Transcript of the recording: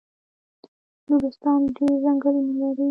نورستان ډیر ځنګلونه لري